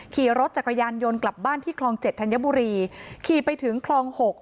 ขี่รถจักรยานยนต์กลับบ้านที่คลองเจ็ดธัญบุรีขี่ไปถึงคลองหก